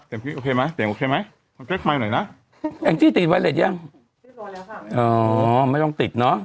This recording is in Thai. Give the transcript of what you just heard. เสียงโอเคไหมเสียงโอเคไหมติดไวร์เร็ดยังอ๋อไม่ต้องติดเนอะ